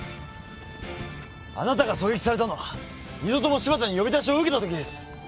あなたが狙撃されたのは二度とも柴田に呼び出しを受けたときです！